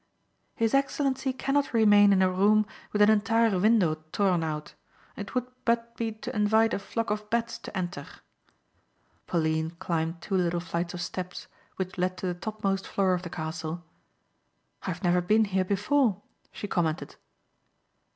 "His Excellency cannot remain in a room with an entire window torn out. It would but be to invite a flock of bats to enter." Pauline climbed two little flights of steps which led to the topmost floor of the castle. "I have never been here before," she commented.